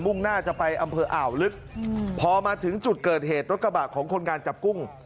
่งหน้าจะไปอำเภออ่าวลึกพอมาถึงจุดเกิดเหตุรถกระบะของคนงานจับกุ้ง